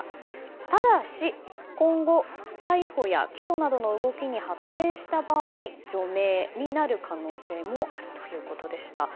ただし、今後逮捕や起訴などの動きに発展した場合、除名になる可能性もあるということでした。